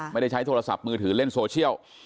ไม่ได้ใช้โทรศัพท์มือถือเล่นโซเชียล